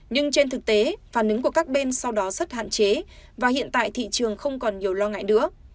nhưng trên thực tế phản ứng của các bên sau đó rất hạn chế và hiện tại thị trường không còn nhiều lo ngại nữa